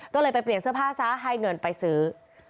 ก็เลยไปเปลี่ยนเสื้อผ้าซะให้เงินไปซื้อ